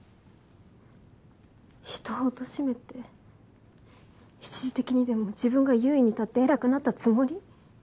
人を貶めて一時的にでも自分が優位に立って偉くなったつもり？